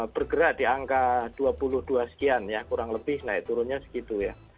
bergerak di angka dua puluh dua sekian ya kurang lebih naik turunnya segitu ya